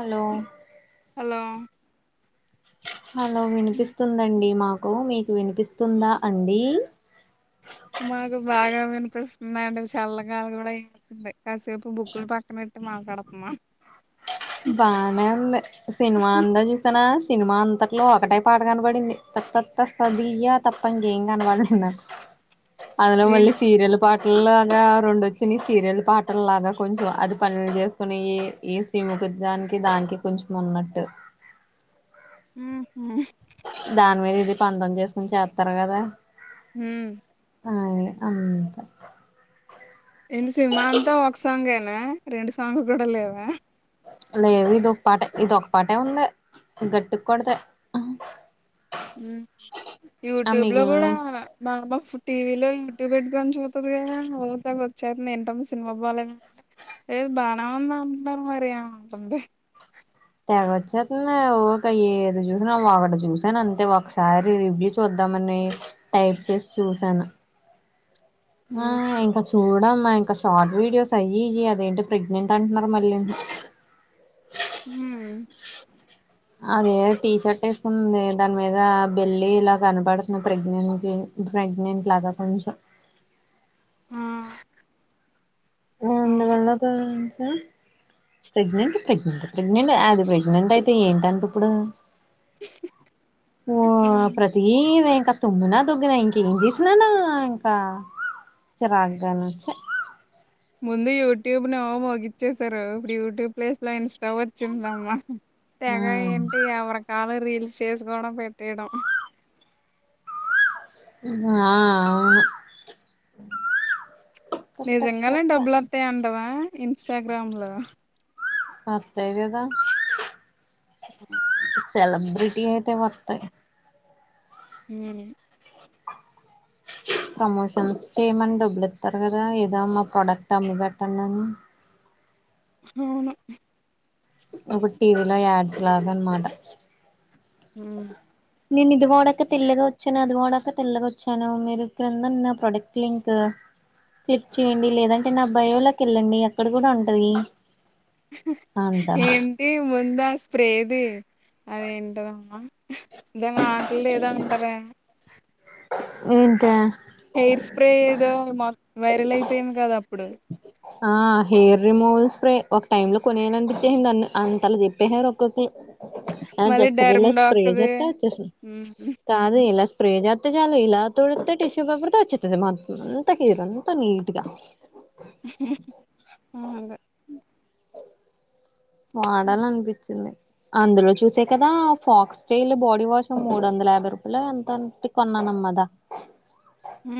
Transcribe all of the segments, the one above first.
Hello లో hello వినిపిస్తుందండి మాకు మీకు వినిపిస్తుందా అండి మాకు బాగా వినిపిస్తుందండి చల్లగాలి గూడా ఏస్తుంది కాసేపు బుక్కులు పక్కనెట్టి మా నాకడతమా బానే ఉంది, సినిమా అందా చూసానా? సినిమా అంతట్లో ఒకటే పాట కనబడింది, త త తస్సదియ్య తప్ప ఇంకేం కనపడలే నాకు. అందులో మళ్ళీ ఏంటి సీరియల్ పాట్ ల్ లాగా రెండొచ్చినయ్ సీరియల్ పాటల్లాగా కొంచెం, అది పనులు చేసుకూనీయి ఏ శ్రీము ప్రతిదానికి దానికి కొంచెం ఉన్నట్టు. ఉహు దాని మీద ఇది పంతం చేసుకుని చేత్తారు కదా. ఉమ్ అ అంతా ఏంది సినిమా అంతా ఒక సాంగేనా? రెండు సాంగ్లు కూడా లేవా? లేదు ఇది ఒక పాట, ఇది ఒక పాటే ఉంది. గట్టిగా కొడితే ఆ యూట్యూబ్ లో గుడ మిగిలిన బాబా ఇప్పుడు టీ వీలో యూట్యూబ్ పెట్టుకొని చూటబోయారా, ఊతా వచ్చేంతది ఏంటమ్మ సినిమా బాలే ఏ బానే ఉంది అంటన్నారు మరియా తగ వచ్చేతంది, ఊక ఏది చూసిన వావడ చూసానంతే, ఒకసారి రివ్యూ చూద్దామని టైప్ చేసి చూసాను. ఆ ఇంకొంచం చూడమ్మా ఇంకా షార్ట్ వీడియోస్ అయ్యి ఇయ్యి అదేంటి ప్రెగ్నెంట్ అంటున్నారు మళ్ళీ. ఉమ్ అదే టీ షర్ట్ ఏసుకోనుంది, దాని మీద బెళ్లి ఇలా కనపడుతుంది ప్రెగ్నెంట్ ప్రెగ్నెంట్ లాగా కొంచెం ఆ ఆ అందువల్ల ప్రెగ్నెంట్ ప్రెగ్నెంట్ ప్రెగ్నెంట్ అది ప్రెగ్నెంట్ అయితే ఏంటంటే ఇప్పుడు ఆ అవును ప్రతినే ఇంకా తుమ్మునా దగ్గిన ఇంకేం చేసిననా ఇంకా రగ్ గ చె ముందు యూట్యూబ్ ను ఏవో మోగిచ్చసారు, ఇప్పుడు యూట్యూబ్ ప్లేస్ లో ఇన్స్టా వచ్చిందమ్మా. తెగ ఏంటి ఎవరు కాదు. రీల్స్ చేసుకోడం పెట్టెయడం. ఆఆ నిజంగానే డబ్బులు వత్తాయి అంటవా ఇన్స్టాగ్రామ్ లో? అంతే కదా ఆ సెలబ్రిటీ ఐతే వత్తయి ఉమ్ ప్రమోషన్స్ చేయమని డబ్బులు ఇస్తరు కదా, ఏదో మా ప్రోడక్ట్ అమ్మి కట్టండి అని అవును ఇప్పుడు టీ వీలో యాడ్స్ లాగనమాట. ఉమ్ నేను ఇది వాడక తెల్లగా వచ్చాను, అది వాడక తెల్లగా వచ్చాను. మీరు క్రిందున్న ప్రోడక్ట్లు ఇంక్ క్లిక్ చేయండి, లేదంటే నా బయోలకెళ్ళండి, అక్కడ కూడా ఉంటది. అంటారు ఏంటి ముందా స్ప్రేది అదేంటిది అమ్మా దో మాక్లే ఏదో అంటారే ఏంతా హెయిర్ స్ప్రే ఏదో మొ వైరల్ అయిపోయింద్ కదా అప్పుడు ఆ హెయిర్ రిమూవల్ స్ప్రే ఒక టైమ్ లో కొనేయాలనిపించేసి దన్ అంతలా చెప్పేసారు ఒక్కొక్కళ్ళు ఆ మళ్ళీ జస్ట్గా డర్మ్ ఇలా స్ప్రే డాక్ది అదే చెత్తే వచ్చస్ ఉమ్, కాదు ఇలా స్ స్పే చేత్తే చాలు ఇలా తడుతే టిష్యూ పేపర్తో వచ్చింది మొత్తం అంతా పిర్రు నీట్ గా ఆ అదే వాడాల్ల అన్పిచ్చింది అందులో చూసే కదా ఫాక్స్టైల్ బాడీ వాష్ మూడు వందల యాభై రూపాయలు ఎంతన్ పెట్టి కొన్నాన్ మద ఊ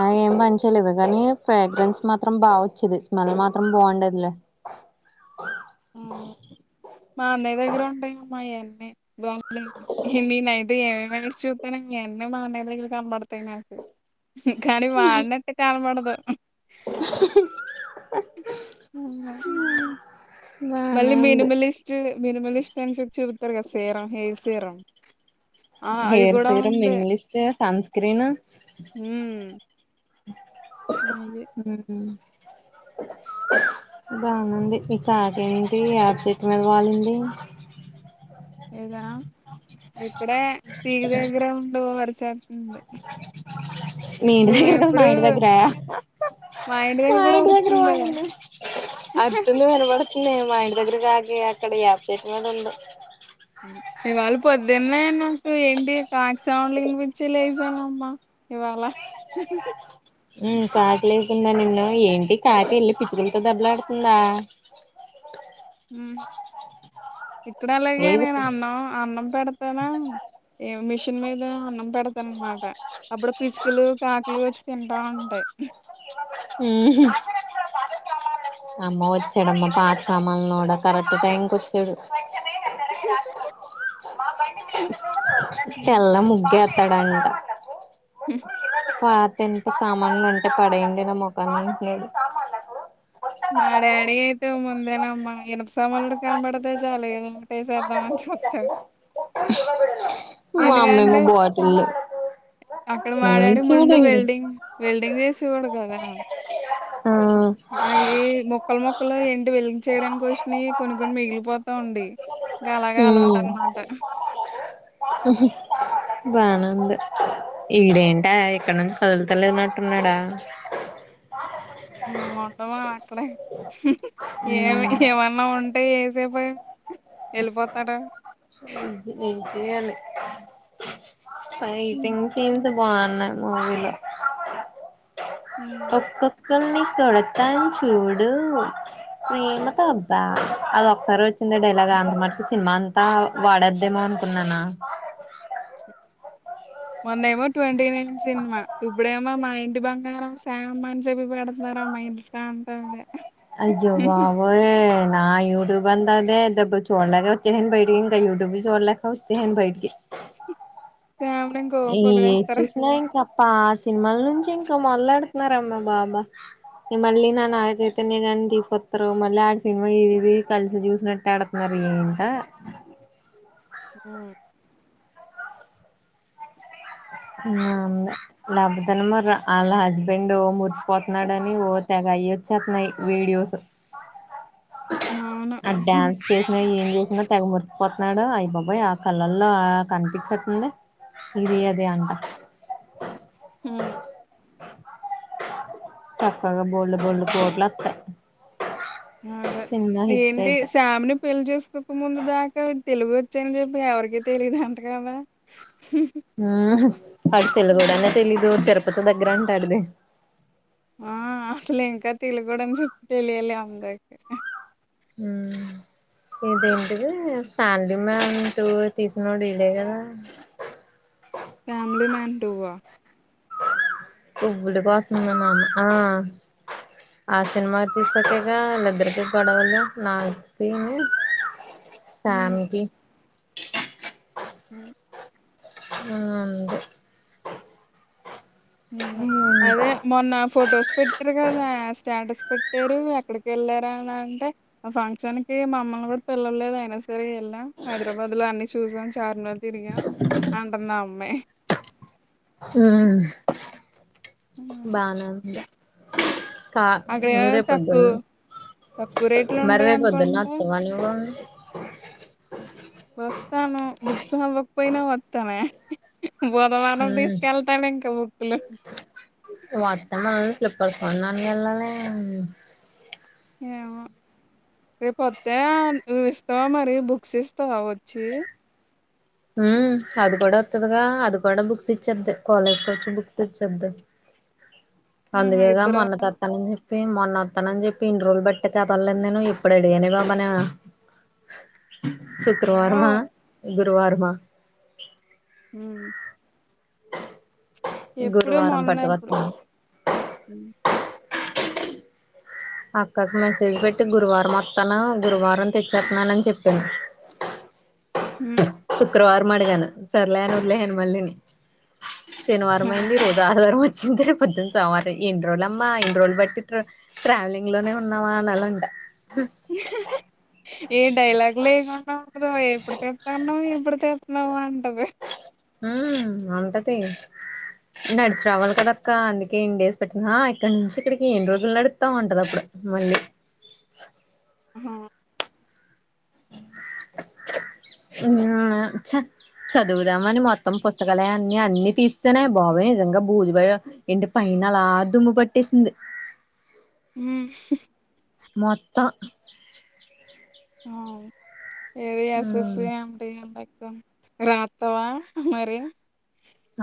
ఆ ఏం పని చేయ్లేదు కానీ ఫ్రాగ్రెన్స్ మాత్రం బా వచ్చేది స్మెల్ మాత్రం బాగుండేద్లే [unintelligible] అవును. మా అన్నయ్య దగ్గర ఉంటాయ్ ఏమో ఆయన్నీ [unintelligible] నేనైతే ఏమీ మేడి చూత్తేనే ఎన్న మా అన్నయ్ దగ్గర కనపడతయ్ నాకు కానీ వాడినట్టు కనబడుత దు హ్మ్ ఏంగాదు మళ్ళీ బానే ఉంది మినిమల్స్ట్ మినిమలిస్ట్ అని చెప్పి చూపిత్తారు కదా సీరం హెయిర్ సీరం ఆ అది హెర్ కూడా serum minimalist, sunscreen um um బాగనె ఉంది ఈ కాకి ఏంటి యాప్చెట్టు మీద వాలింది ఇక్కడే తీగు దెగ్గర ఉండు వర్ మీ ఇంటి మేము దగ్గర కాదు మా ఎప్పుడు ఇంటి దగ్గర దగ్గర మా కూడా ఇంటి దగ్గర అరుత్తుంది వాలింది అటు కనబడుస్తుంది మా ఇంటి దగ్గర కాకి ఎ అక్కడ యాప్ చెెెెట్ మీద ఉంది ఇవాళ పొద్దున్నే నాకు ఏంటి కాక్సౌండ్లు వినిపించి లేసానమ్మా ఇవాళ ఉమ్ కాకి లేస్ ందా నిన్ను ఏంటి కాక వెళ్ళి పిచ్చుకులతో దెబ్బలు ఆడుతుందా? ఊహు ఇక్కడ అలాగే లేదు నేను అన్నం అన్నం పెడతానా ఏం మిషన్ మీద అన్నం పెడతాను అన్నమాట అప్పుడు పిచుకులు కాకులు వచ్చి తింటా ఉంటాయ్ ఊ హు అమ్మో వచ్చాడమ్మ పాతసామల్నోడా కరెక్ట్ టైంకి వచ్చాడు తెల్ల ముగ్గు ఏత్తాడంట హ పాత ఇన్ప సామాన్లు ఉంటే పడెయ్యండి నా మొఖాన అంట్నాడు మా డాడీ అయితే ముందేనమ్మా ఇనుప సమాలుడు కనపడద చాలు ఏదో ఒకటే ఏసేద్దామంచి పత్తర్ మా అమ్మేమో ఎందుకంటే బోటిల్ అక్కడ మా డాడి ముందు వెల్డింగ్ వెల్డింగ్ చేసేవాడు కదా ఆ అయి మొక్కలు మొక్కలు ఏంటి వెలిగ చేయడానినికి వచ్చిన కొన్ని కొన్ని మిగిలిపోతావుండి గలాగా ఉమ్ అలువాటనమాట బానే వుంది ఈడేంట ఇక్కడ నుంచి కదులుతలేనట్టున్నాడా మటమా అక్కడే ఏమి ఏమన్నా ఉంటే ఏసేపు ఏం చేయాలి ఫైటింగ్ సీన్స్ బావున్నాయ్ మూవీలో కోకో క్కల్ని కొడతాం చూడు ప్రేమతో అబ్బా అద ఒకసారి వచ్చా ఇంగ ఆ డైలాగ్ అమె మట్ కూ సినిమా అంతా వాడద్దేమో అనుకున్నానా మొనేమో ట్వంటీ నైన్ సినిమా ఇప్పుడేమో మా ఇంటి బంగారం శ్యామ్ అని చెప్పి పెడుతున్నారు నా మైల్సా అంత అదే అయ్యో బబొయ్ నా యూటుబంతా అదే డబ్బ చూడలాగా ఉచ్చేని బయటిడి ఇకా బ్బు చూడలే ఉచ్చేసాను బయటికి శ్యామ్‌ని ఇంకో ఏ పొగిడేస్తారు. చూసినా ఇంకా పా సినిమాల నుంచి ఇంకా మొదలడుతున్నారమ్మా బాబా మళ్ళీ నా నాగ చైతన్య కాన్ని తీసుకొస్తారు మళ్ళీ ఆడ సినిమా ఇది కలిసి ఇదిది చూసినట్టు ఆడుతున్నారు ఇంకా ఊ నమ్ము లేకపోతే మర వాళ్ళ హస్బెండ్ ఓ మురిసిపోతున్నాడని ఓ తెగ అయచ్చతన్నాయ్ వీడియోస్ అవును. ఆ డ్యాన్స్ చేసినా ఏం చేసినా తెగ మురు పోతున్నాడు అయి బాబాయ్ ఆ కళ్ళల్లో అ కనిపించట్ల ఇది అది అంట ఊ చక్కగా బొల్ బొల్ కొట్లత్త అదే ఏంటి శ్యామిని పెళ్లి చేసు కొక ముందు దాకా తెలుగు వచ్చాని చెప్పి ఎవరికీ తెలీదు అంట కదా ఉ వాడు తెలుగోడనే తెలీదు తిరుపతి దగ్గర అంటాడట ఆడిది ఆ అసలు ఇంకా తెలు కూడాని చెప్ప తెలియాలి అందరికి ఊ ఏంటెంటిది ఫ్యామిలీ మ్యాన్ టూ తీసినడు ఇలే కదా ఫ్యామిలీ మాన్ టు వా కువ్వుడుకోతున్నాను ఆ ఆ సినిమా తీసాకేగా ఇద్దరికి గొడవలు నాగచేకిని సామ్ కి ఊ అవునండి అదే మొన్న ఫొటోస్ పెట్టారు కదా స్టాటస్ పెట్టారు ఎక్కడికి వెళ్ళారా అని అంటే ఆ ఫంక్షన్ కి మమ్మల్ని కూడా పిలవలేదు అయినా సరే ఎ ళ్ళాం హైదరాబాద్ లో అన్ని చూసాం చార్మినార్ తిరిగాం అంటు నా అమ్మాయి బానంది కా అక్కడ తక్కువ నీరేపోద్దున్న తక్కువ రేట్లు ఉంటాయి మరేపోద్దున్న అనుకుంటే అత్తవ నువ్వు వస్తాను బుక్స్ అవ్వకపోయినా వస్తానే బోధవారం ఉమ్ తీసుకెళ్తాను ఇంకా బుక్కులు ఇప్పడు ఫన్నాళ వెళ్ళనే ఏమో రేపుొస్తే నువ్ ఇస్తావా మరి బుక్స్ ఇస్తావా వచ్చి ఉ అది కూడా వస్తుదిగా అది కూడా బుక్స్ ఇచ్చది కాలేజ్కి వచ్చి బుక్స్ ఇచ్చద్ది ఉహు అందుకేగా ఇద్దరు మొన్న తత్తనం చె ే మొన్న వస్తానని చెప్పి ఇన్ని రోజులు బట్టే కదలేదు నేను ఇప్పుడు అడిగాను బాబా నే ఏమో శుక్రవారమా గురువారమా ఉ గురువారం మొన్నెప్పుడు బట్వతి అక్కకి మెసేజ్ పెట్టి గురువారం వస్తాను గురువారం తెచ్చేస్తున్నానని చెప్పిను హు శుక్రవారం మాదిగలు సర్లేయను ఉర్లేయను మల్ళని శనివారమైంది ఈరోజు ఆదివారం వ చ్చింది రేప్ పొద్దున్న సోమవారం ఎన్ని రోజులు అమ్మా ఎన్ని రోజులు బట్టి ట్రావెలింగ్ లోనే ఉన్నామా అనిలా ఉంట ఏం డైలాగ్ లేకుండా ఇప్పు ఎప్పుడు తెస్తాన్నా ఎప్పుడు తెస్తున్నావు అంట ఉ అంటది నడిచి రావాలి కదక్క అందుకే ఇన్ డేస్ పెట్టినా హ ఇక్కడ నుంచి ఇక్కడికి ఏన్ని రోజులు నడుపుతాం ఉంట మళ్ళీ [inaudible] అ [inaudible] అన్య చ్చ చదువుదామ అని మొత్తం పుస్తకాలయాన్ని అన్ని తీస్తేనేయి బాబోయ్ నిజంగా భూజబయ ఇంటి పై నాలా దుమ్ము పట్టేసింది హ్మ్ మొత్తం అవును. ఏది ఉమ్ ఎససి అడి ఎ రాతవా అ మరి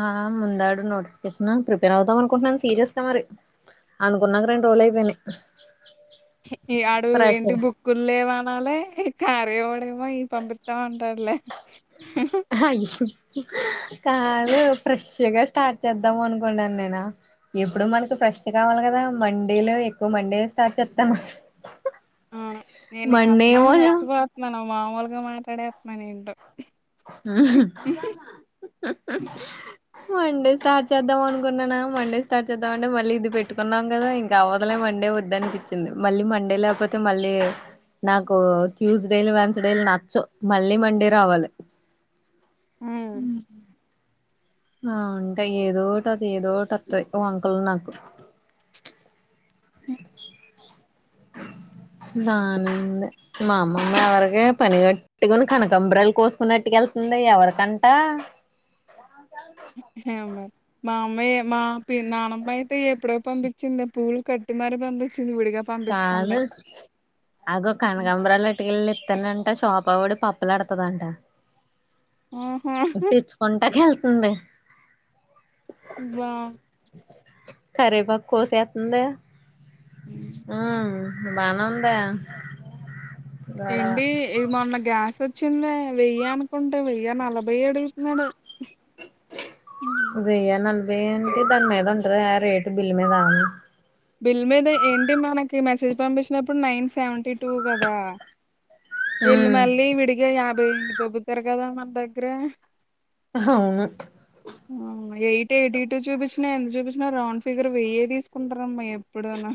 అ ముందాడు నోటిఫేషన్ ప్రిపేర్ అవుతాం అనుకుంటున్నాను సీరియస్గా మరి అనుకున్నాక రెండు రోజులైపోయినయ్ ఈ వాడు ఇంటి బుక్కులులేవనాలే ఈ కార్య ఎవడేమో ఇ పంపిస్తామంటాడులే హాయో కాదు ఫ్రెష్గ స్టార్ట్ చేద్దాం అనుకున్నాను నేను ఫ్రష్ కావాలి కదా మండేలో ఎక్కువ మండే స్టార్ట్ చేస్తాము మన అవును నేనున అతమాను మర్చిపోతున్నాను మామూలుగా మాట్లాడేస్తున్నాను ఏంటో [inaudible] మండే స్టార్ట్ చేద్దాం అనుకున్నానా మండే స్టార్ట్ చేద్దాం అంటే మళ్ళీ ఇది పెట్టుకున్నాం కదా ఇంకా అవ్వదులే మండే వద్దనిపించింది మళ్ళీ మండే లేకపోతే మళ్ళీ నాకు ట్యూస్డేలు వెన్స్డేలు నచ్చవు మళ్ళీ మండే రావాలి ఉ హ్మ్ ఆ అంటే ఏదో ఒటి అది ఏదో ఒటి వస్తయి వంకలు నాకు ఉమ్ దాన్ని మా అమ్మమ్మ ఎవరిక పని కట్టుకొని కనకంబరాలు కోసుకున్నట్టుగా వెళ్ అండ ఎవరికంట ఏమో మరి మా అమ్మాయి మా పి నన్నమై అయిడో ఎప్పుడో పంపించింది పూలు కట్టి మరీ పంపించి కాదు అగో హ్మ్. కనకబరాలు అట్టుకెళ్లి ఇత్తనంట షాప పడి పప్పులాడుతుదంట ఆహా తెచ్చుకుంటాక వెళ్తు ఉంది [unintelligible] కారేపాకు కోసెతుందే హ [inaudible] హ్మ్ బానందా ఏంటి ఇది మొన్న గ్యాస్ వో చ్చింద వెయ్యి అనుకుంటే వెయ్య నలభై అడుగుతున్నాడు హ్మ్. వెనికి దాని మీద ఉంటది రేటు బిల్లు మీద బిల్ మీద ఏంటి మనకి మెసేజ్ పంపించినప్పుడు నైన్ సెవెంటీ టూ కదా ఇళ్ళు ఉమ్ మళ్ళీ విడిగా యాభై దబ్బతారు కదా మన దగ్గర అవును ఆ! ఎయిట్ ఎయిటీ టూ చూపించినా ఎంత చూపించినా రౌండ్ ఫిగర్ వెయ్యే తీసుకుంటారమ్మా ఎప్పుడును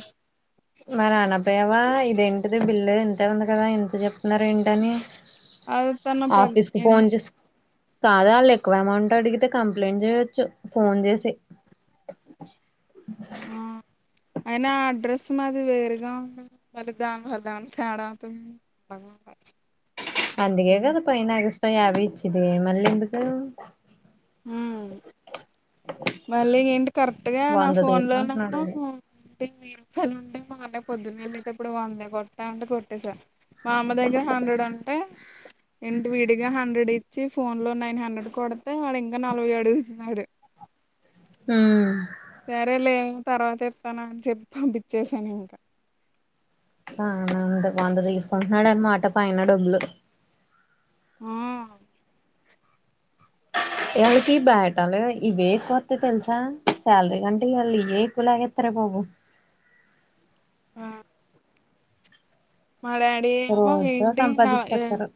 మారి అనక పయావా ఇదేంటిది బిల్లు ఎంతే ఉంది కదా ఎంత చెప్తున్నారు ఏంటని అది తన పెద్ద ఆఫీస్ కు ఫోన్ చే కాదా వాళ్ళు ఎక్కువ అమౌంట్ అడిగితే కంప్లైంట్ చెయొచ్చు ఫోన్ చేసి ఆ అయినా అడ్రస్ మాది వేరుగా ఉంది మళ్ళీ దానివల్ల ఏమన్నా తేడా అవుతుంది ఆ అందుకే కదా పనాగిస్ం యాభై ఇచ్చిది మళ్ళీ ఎందుకు ఉమ్ మళ్ళీ ఏంటి కరెక్ట్ గా నా వంద ఫోన్ లో తీసుకుంటున్నాడు నమ అంటే నీరుకయలు ఉంటే మాంటే పొద్దున్నెళ్ళటప్పుడు వందే కొట్టా అంటే కొట్టేసారు [unintelligible] మా అమ్మ దగ్గర హండ్రెడ్ అంటే ఇంటి విడిగా హండ్రెడ్ ఇచ్చి ఫోన్ లో నైన్ హండ్రెడ్ కొడితే వాడు ఇంకా నలభై అడుగు తినాడు ఉమ్ సరే లేము తర్వాత ఇస్తాను అని చెప్పి పంపించసాను ఇంకా [unintelligible] అన అంత వంద తీసుకుంటున్నాడున్నమాట పైన డబ్బులు ఆ ఇళ్ళకి బయటాలు ఇవే కొత్త తెలుసా సాలరీ కంటే ఇవాళ్ళు ఇవ ఎక్కువ లాగే తెరపో పో [inaudible] మాడాడి హు రోజుకో ఏంటి నా సంపాదిచ్చేత్తారు